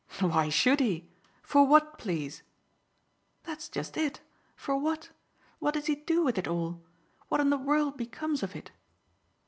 "Why should he? For what, please?" "That's just it for what? What does he do with it all? What in the world becomes of it?"